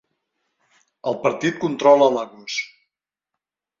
El partit controla Lagos.